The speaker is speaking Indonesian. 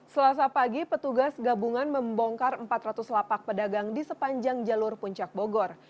selasa pagi petugas gabungan membongkar empat ratus lapak pedagang di sepanjang jalur puncak bogor